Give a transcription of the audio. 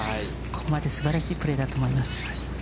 ここまですばらしいプレーだと思います。